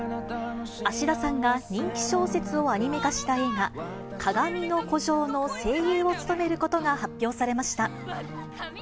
芦田さんが人気小説をアニメ化した映画、かがみの孤城の声優を務めることが発表されました。